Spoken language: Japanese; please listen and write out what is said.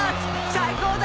「最高だ！